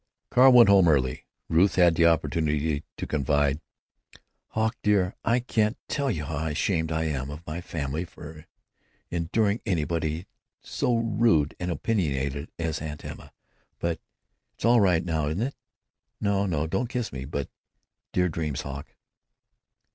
Carl went home early. Ruth had the opportunity to confide: "Hawk dear, I can't tell you how ashamed I am of my family for enduring anybody so rude and opinionated as Aunt Emma. But—it's all right, now, isn't it?... No, no, don't kiss me, but—dear dreams, Hawk."